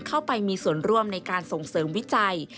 เข้าไปมีส่วนร่วมในการส่งเสริมวิจัย